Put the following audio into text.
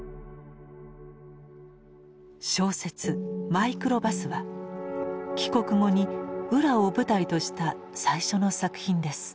小説「マイクロバス」は帰国後に「浦」を舞台とした最初の作品です。